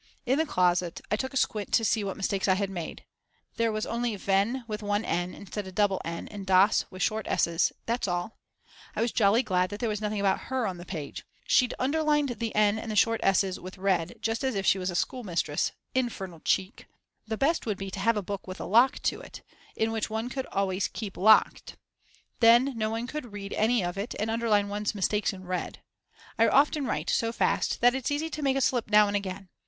In the closet I took a squint to see what mistakes I had made. There was only wenn with one n instead of double n and dass with short ss's, that's all. I was jolly glad that there was nothing about her on the page. She'd underlined the n and the short ss's with red, just as if she was a schoolmistress, infernal cheek! The best would be to have a book with a lock to it, which one could alway keep locked, then no one could read any of it and underline one's mistakes in red. I often write so fast that it's easy to make a slip now and again.